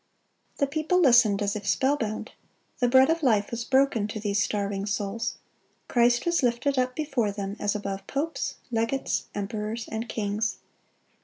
(208) The people listened as if spellbound. The bread of life was broken to those starving souls. Christ was lifted up before them as above popes, legates, emperors, and kings.